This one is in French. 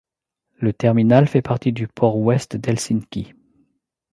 Le terminal fait partie du Port Ouest d'Helsinki.